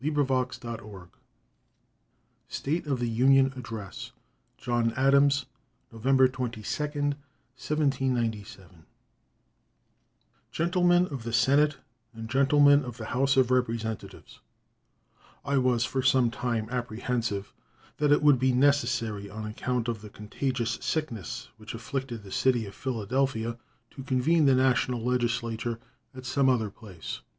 GO. WASHINGTON State of the Union Address John Adams November 22, 1797 Gentlemen of the Senate and Gentlemen of the House of Representatives: I was for some time apprehensive that it would be necessary, on account of the contagious sickness which afflicted the city of Philadelphia, to convene the National Legislature at some other place.